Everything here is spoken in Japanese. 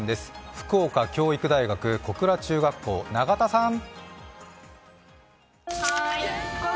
福岡教育大学附属小倉中学校、永田さん。